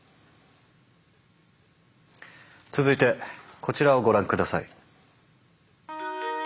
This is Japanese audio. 続いてこちらをご覧下さい。